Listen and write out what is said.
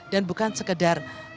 dan bukan sekedar